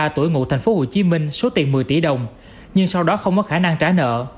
ba mươi tuổi ngụ tp hcm số tiền một mươi tỷ đồng nhưng sau đó không có khả năng trả nợ